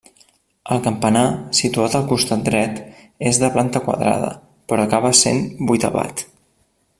El campanar, situat al costat dret, és de planta quadrada, però acaba sent vuitavat.